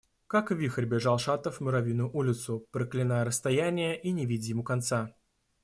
Как вихрь бежал Шатов в Муравьиную улицу, проклиная расстояние и не видя ему конца.